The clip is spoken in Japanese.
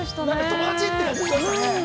◆友達って感じがしましたね。